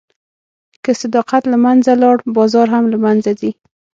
که صداقت له منځه لاړ، بازار هم له منځه ځي.